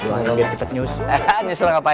mak gue nyap nyap dulu soalnya